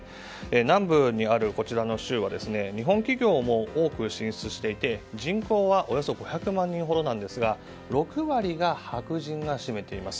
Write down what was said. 南部にあるこちらの州は日本企業も多く進出していて人口はおよそ５００万人ほどなんですが６割を白人が占めています。